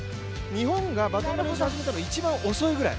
日本がバトンの練習を始めたのは一番遅いぐらい。